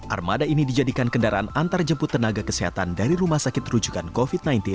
armada ini dijadikan kendaraan antarjemput tenaga kesehatan dari rumah sakit rujukan covid sembilan belas